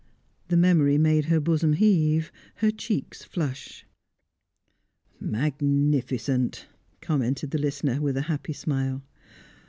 The memory made her bosom heave, her cheeks flush. "Magnificent!" commented the listener, with a happy smile.